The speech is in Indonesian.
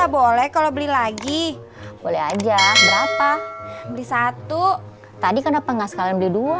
berarti tati harus ke warung lagi